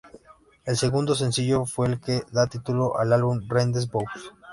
El segundo sencillo fue el que da título al álbum, "Rendez-vous".